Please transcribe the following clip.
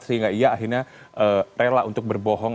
sehingga ia akhirnya rela untuk berbohong